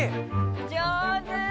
上手。